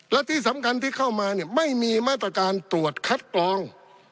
และที่สำคัญที่เข้ามาเนี่ยไม่มีมาตรการตรวจคัดกรอง